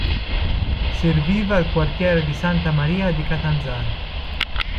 Serviva il quartiere di Santa Maria di Catanzaro.